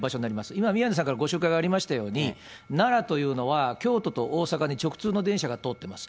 今、宮根さんからご紹介がありましたように、奈良というのは、京都と大阪に直通の電車が通ってます。